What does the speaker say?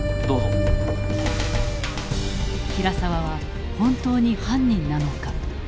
平沢は本当に犯人なのか？